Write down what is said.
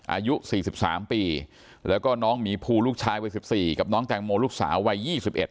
อายุสี่สิบสามปีแล้วก็น้องหมีภูลูกชายวัย๑๔กับน้องแตงโมลูกสาววัย๒๑